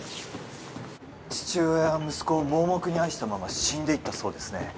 父親は息子を盲目に愛したまま死んでいったそうですね